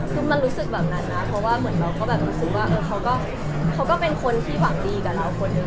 คือมันรู้สึกแบบนั้นนะเพราะว่าเหมือนเราก็แบบรู้สึกว่าเขาก็เป็นคนที่หวังดีกับเราคนหนึ่ง